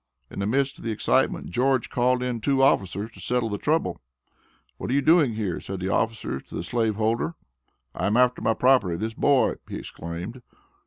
In the midst of the excitement George called in two officers to settle the trouble. "What are you doing here?" said the officers to the slave holder. "I am after my property this boy," he exclaimed.